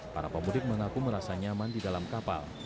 para pemudik mengaku merasa nyaman di dalam kapal